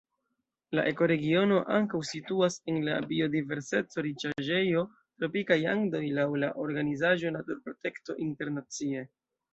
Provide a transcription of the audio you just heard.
La ekoregiono ankaŭ situas en la biodiverseco-riĉaĵejo Tropikaj Andoj laŭ la organizaĵo Naturprotekto Internacie.